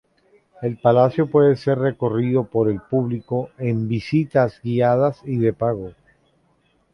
El palacio puede ser recorrido por el público en visitas guiadas y de pago.